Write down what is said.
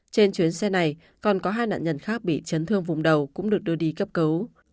trên chuyến xe này còn có hai nạn nhân khác bị chấn thương vùng đầu cũng được đưa đi cấp cứu